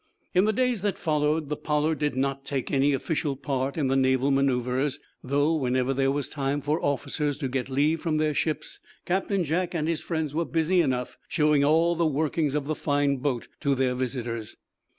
In the days that followed the "Pollard" did not take any official part in the naval manoeuvres, though whenever there was time for officers to get leave from their ships Captain Jack and his friends were busy enough showing all the workings of the fine boat to their visitors.